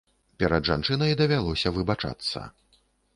Перад жанчынай давялося выбачацца.